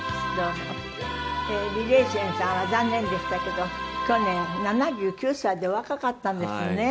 李麗仙さんは残念でしたけど去年７９歳でお若かったんですね。